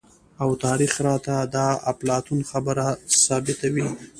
او تاريخ راته د اپلاتون خبره سمه ثابته وي،